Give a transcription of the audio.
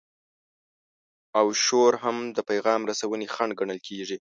او شور هم د پیغام رسونې خنډ ګڼل کیږي.